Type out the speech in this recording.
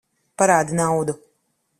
Parādi naudu!